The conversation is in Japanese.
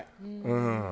うん。